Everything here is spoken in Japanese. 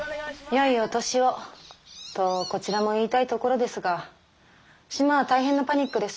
よいお年をとこちらも言いたいところですが島は大変なパニックです。